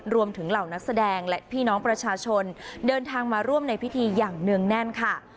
เหล่านักแสดงและพี่น้องประชาชนเดินทางมาร่วมในพิธีอย่างเนื่องแน่นค่ะ